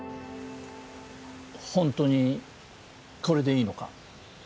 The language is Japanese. ほんとにこれでいいのか？